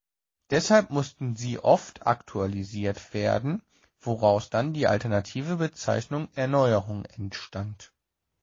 Deshalb mussten sie oft aktualisiert werden, woraus dann die alternative Bezeichnung "Erneuerung" entstand.